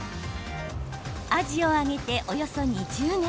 アジを揚げて、およそ２０年。